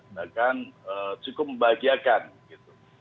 bahkan cukup membahagiakan gitu